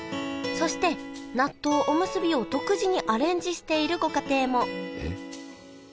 そして納豆おむすびを独自にアレンジしているご家庭もえっ？